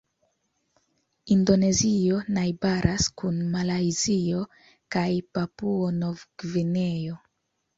Indonezio najbaras kun Malajzio kaj Papuo-Nov-Gvineo.